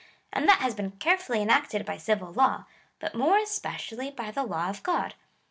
And that has been carefully enacted by civil law, but more especially by the law of God.